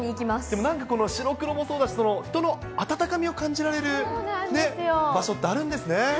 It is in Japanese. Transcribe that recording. でもなんか白黒もそうだし、人の温かみを感じられる場所ってあるんですね。